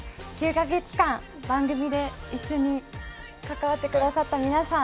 ９カ月間、一緒に関わってくださった皆さん